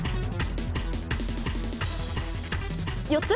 ４つ？